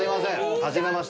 初めまして。